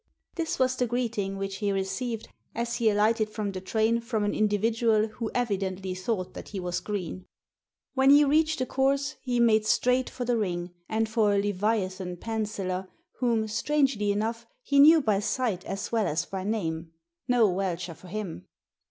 This was the greeting which he received as he alighted from the train from an individual who evidently thought that he was green. Digitized by VjOOQIC 132 THE SEEN AND THE UNSEEN When he reached the course he made straight for the ring, and for a "leviathan penciller," whom, strangely enough, he knew by sight as well as by name. No welsher for him.